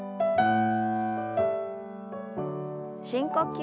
深呼吸。